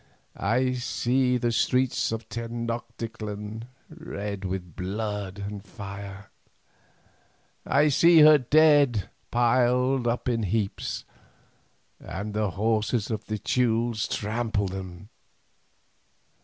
I see the streets of Tenoctitlan red with blood and fire, I see her dead piled up in heaps, and the horses of the Teules trample them.